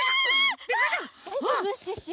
だいじょうぶ？シュッシュ。